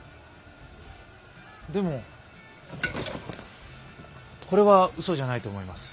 でもこれはうそじゃないと思います。